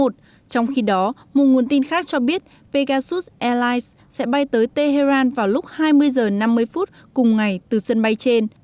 trong khi đó một nguồn tin khác cho biết pegasus airlines sẽ bay tới tehran vào lúc hai mươi h năm mươi phút cùng ngày từ sân bay trên